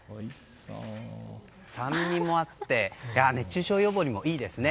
酸味もあって熱中症予防にもいいですね。